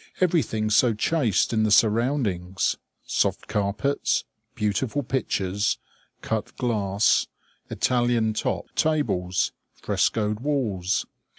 Everything so chaste in the surroundings! Soft carpets, beautiful pictures, cut glass, Italian top tables, frescoed walls.